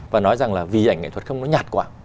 và nói rằng là vì ảnh nghệ thuật không nó nhạt quá